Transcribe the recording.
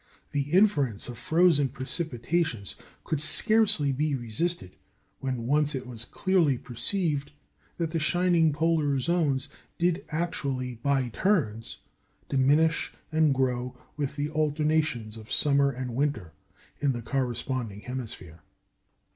The inference of frozen precipitations could scarcely be resisted when once it was clearly perceived that the shining polar zones did actually by turns diminish and grow with the alternations of summer and winter in the corresponding hemisphere.